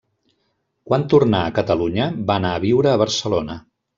Quan tornà a Catalunya, va anar a viure a Barcelona.